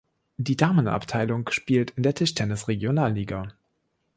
Die Damenabteilung spielt in der Tischtennis-Regionalliga.